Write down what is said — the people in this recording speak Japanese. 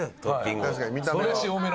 確かに見た目は。